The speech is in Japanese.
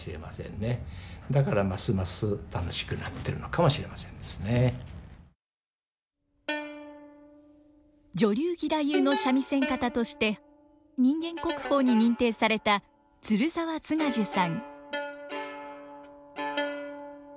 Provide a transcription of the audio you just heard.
まあそれが深さが分かってきたと女流義太夫の三味線方として人間国宝に認定された鶴澤津賀寿さん。